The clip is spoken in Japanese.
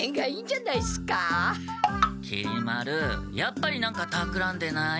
きり丸やっぱり何かたくらんでない？